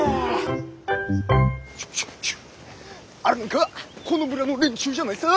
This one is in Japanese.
あれなんかこの村の連中じゃないさ。